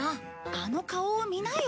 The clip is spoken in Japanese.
あの顔を見なよ。